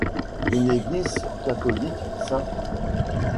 Une église catholique, St.